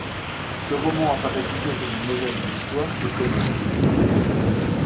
Ce roman apparaît plutôt comme une mosaïque d'histoires que comme un tout uni.